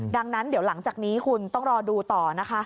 ดังนั้นเดี๋ยวหลังจากนี้คุณต้องรอดูต่อนะคะ